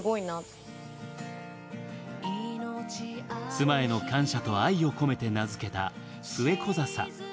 妻への感謝と愛を込めて名付けたスエコザサ。